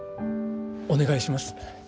お願いします。